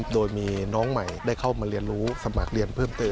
โดยมีน้องใหม่ได้เข้ามาเรียนรู้สมัครเรียนเพิ่มเติม